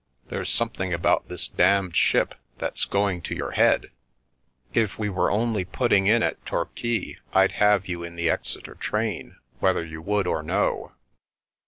There's something about this damned ship that's going to your head. If The Milky Way we were only putting in at Torquay I'd have you in the Exeter train whether you would or no."